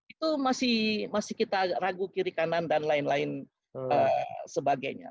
itu masih kita ragu kiri kanan dan lain lain sebagainya